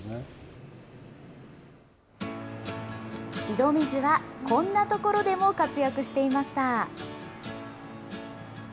井戸水はこんな所でも活躍していました。